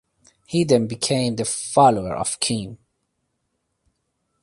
He then became the follower of Kim.